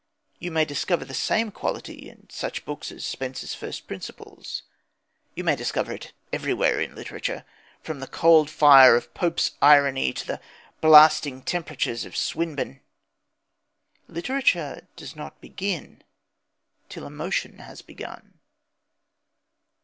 You may discover the same quality in such books as Spencer's First Principles. You may discover it everywhere in literature, from the cold fire of Pope's irony to the blasting temperatures of Swinburne. Literature does not begin till emotion has begun.